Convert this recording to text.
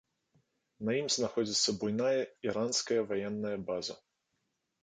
На ім знаходзіцца буйная іранская ваенная база.